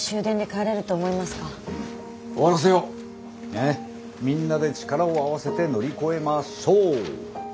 ねっみんなで力を合わせて乗り越えましょう！